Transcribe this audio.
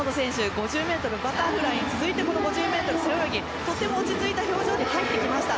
５０ｍバタフライに続いてこの５０ｍ背泳ぎとても落ち着いた表情で入ってきました。